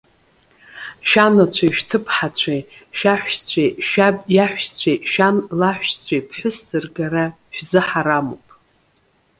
Шәанацәеи, шәҭыԥҳацәеи, шәаҳәшьцәеи, шәаб иаҳәшьцәеи, шәан лаҳәшьцәеи ԥҳәысс ргара шәзыҳарамуп.